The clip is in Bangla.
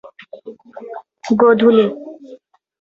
ওয়া ওয়া’দিকা মাসতাতা’তু।